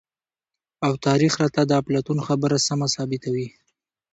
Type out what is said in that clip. او تاريخ راته د اپلاتون خبره سمه ثابته وي،